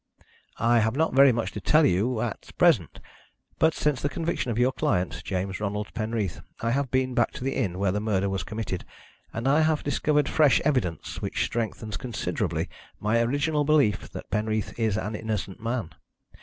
"I have not very much to tell you at present. But since the conviction of your client, James Ronald Penreath, I have been back to the inn where the murder was committed, and I have discovered fresh evidence which strengthens considerably my original belief that Penreath is an innocent man.